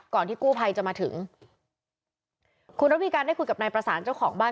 ที่กู้ภัยจะมาถึงคุณระวีการได้คุยกับนายประสานเจ้าของบ้าน